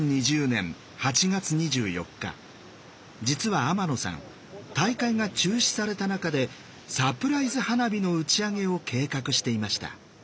実は天野さん大会が中止された中でサプライズ花火の打ち上げを計画していました。